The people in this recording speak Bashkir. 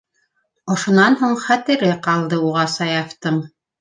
Ошонан һуң хәтере ҡалды уға Саяфтың.